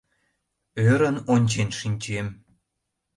Ӧрын ончен шинчем.